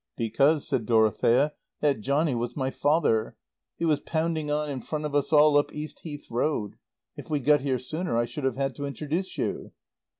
"Because," said Dorothea, "that johnnie was my father. He was pounding on in front of us all up East Heath Road. If we'd got here sooner I should have had to introduce you."